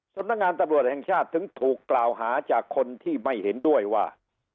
สำนักงานตำรวจแห่งชาติถึงถูกกล่าวหาจากคนที่ไม่เห็นด้วยว่า